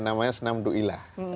namanya senam duilah